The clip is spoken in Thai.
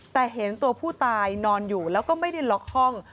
แต่เห็นตัวผู้ตายนอนอยู่แล้วก็ไม่ได้ล็อกห้อง